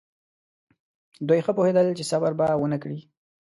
دوی ښه پوهېدل چې صبر به ونه کړي.